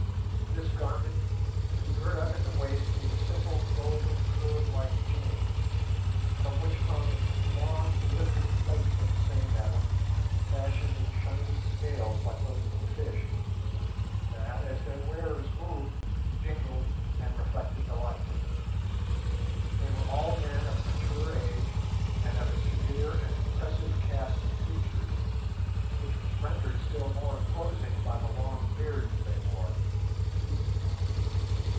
This garment was girt up at the waist with a simple golden curb like chain, from which hung long elliptic plates of the same metal, fashioned in shiny scales like those of a fish, that, as their wearers moved, jingled and reflected the light. They were all men of mature age and of a severe and impressive cast of features, which was rendered still more imposing by the long beards they wore.